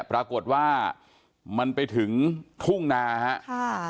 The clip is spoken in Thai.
ปรากฏว่ามันไปถึงทุ่งนาครับ